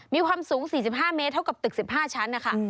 มีความสูง๔๕เมตรเท่ากับตึก๑๕ชั้นนะคะ